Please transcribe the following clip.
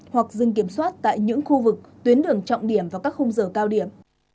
hoặc dừng kiểm soát tại những khu vực tuyến đường trọng điểm vào các khung giờ cao điểm